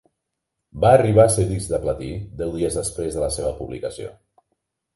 Va arribar a ser disc de platí deu dies després de la seva publicació.